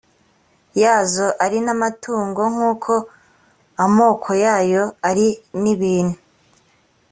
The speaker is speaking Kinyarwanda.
yazo ari n amatungo nk uko amoko yayo ari n ibintu